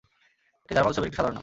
এটি জার্মান উৎসের একটি সাধারণ নাম।